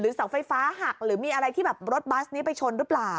เสาไฟฟ้าหักหรือมีอะไรที่แบบรถบัสนี้ไปชนหรือเปล่า